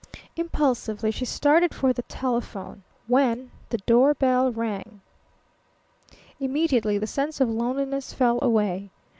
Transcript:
Impulsively she started for the telephone, when the doorbell rang. Immediately the sense of loneliness fell away.